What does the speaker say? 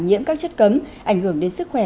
nhiễm các chất cấm ảnh hưởng đến sức khỏe